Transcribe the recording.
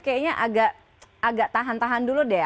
kayaknya agak tahan tahan dulu deh